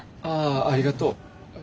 ああありがとう。